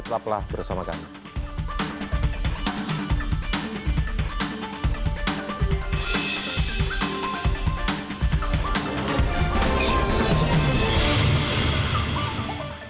tepatlah bersama kami